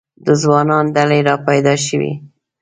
د ځوانانو ډلې را پیدا شوې.